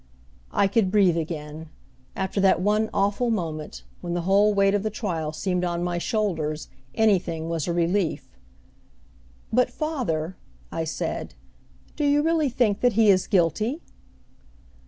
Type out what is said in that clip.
I could breathe again. After that one awful moment, when the whole weight of the trial seemed on my shoulders, anything was a relief. "But, father," I said; "do you really think that he is guilty?"